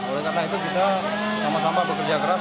oleh karena itu kita sama sama bekerja keras